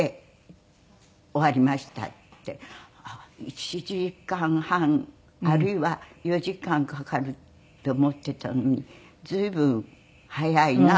１時間半あるいは４時間かかるって思っていたのに随分早いなって思ったんですよ。